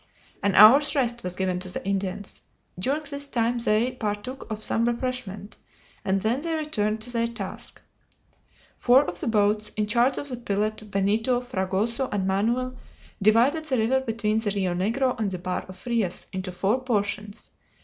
An hour's rest was given to the Indians. During this time they partook of some refreshment, and then they returned to their task. Four of the boats, in charge of the pilot, Benito, Fragoso, and Manoel, divided the river between the Rio Negro and the Bar of Frias into four portions.